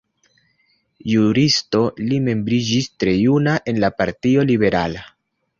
Juristo, li membriĝis tre juna en la Partio Liberala.